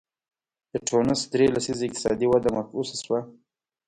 د ټونس درې لسیزې اقتصادي وده معکوسه شوه.